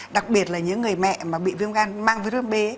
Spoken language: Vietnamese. đặc biệt là những người mẹ mà bị viêm gan mang virus b